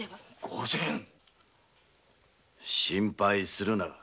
御前心配するな。